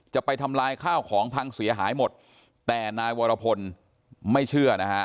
จะไปทำลายข้าวของพังเสียหายหมดแต่นายวรพลไม่เชื่อนะฮะ